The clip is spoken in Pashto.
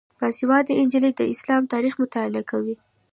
باسواده نجونې د اسلامي تاریخ مطالعه کوي.